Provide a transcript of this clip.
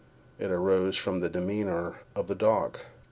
It arose from the demeanor of the dog.